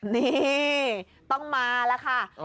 นี่ต้องมาแล้วค่ะ